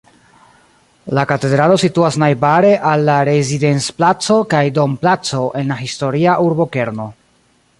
La katedralo situas najbare al la Rezidenz-placo kaj Dom-placo en la historia urbokerno.